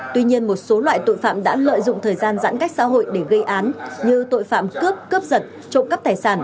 tuy nhiên một số loại tội phạm đã lợi dụng thời gian giãn cách xã hội để gây án như tội phạm cướp cướp giật trộm cắp tài sản